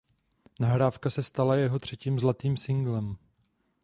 Nahrávka se stala jeho třetím zlatým singlem.